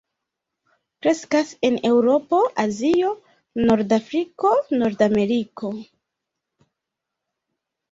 Kreskas en Eŭropo, Azio, norda Afriko, Nordameriko.